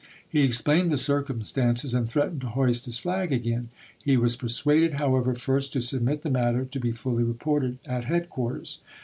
He explained the circumstances, and threatened to hoist his flag again. He was per suaded, however, first to submit the matter to be fully reported at headquarters.